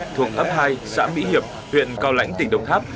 thuộc ấp hai xã mỹ hiệp huyện cao lãnh tỉnh đồng tháp